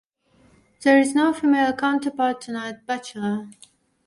There is no female counterpart to Knight Bachelor.